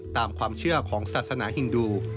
ตามความเชื่อของศาสนาฮินดู